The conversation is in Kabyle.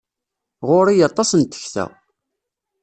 Ɣur-i aṭas n tekta.